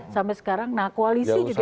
sampai sekarang nah koalisi juga saya kira